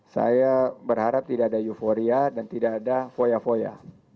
saya berharap tidak ada euforia dan tidak ada foya foya